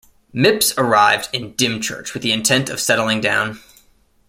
Mipps arrived in Dymchurch with the intent of settling down.